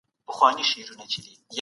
نړیوالې سوداګریزې اړیکې اقتصاد پراخوي.